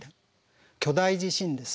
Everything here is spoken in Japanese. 巨大地震です。